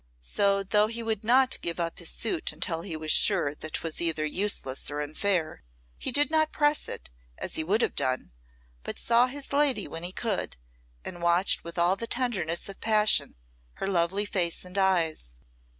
So though he would not give up his suit until he was sure that 'twas either useless or unfair, he did not press it as he would have done, but saw his lady when he could, and watched with all the tenderness of passion her lovely face and eyes.